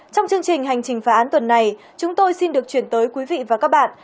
trong chương trình hành trình phá án tuần này chúng tôi xin được chuyển tới quý vị và các bạn